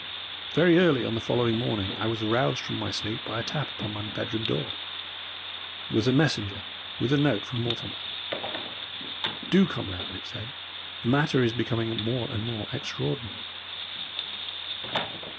Very early on the following morning I was aroused from my sleep by a tap upon my bedroom door. It was a messenger with a note from Mortimer. "Do come round," it said; "the matter is becoming more and more extraordinary."